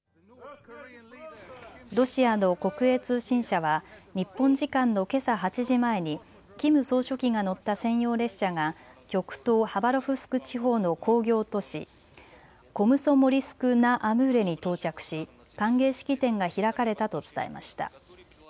ロシアの国営通信社は日本時間のけさ８時前にキム総書記が乗った専用列車が極東ハバロフスク地方の工業都市、コムソモリスク・ナ・アムーレに到着し歓迎式典が開かれたと伝えました。